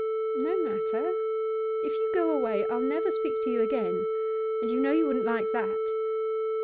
'No matter. If you go away I'll never speak to you again, and you know you wouldn't like that.